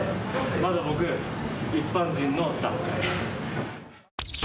まだ僕、一般人の段階。